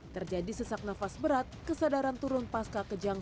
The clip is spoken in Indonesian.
terjadi sesak nafas berat kesadaran turun pasca kejang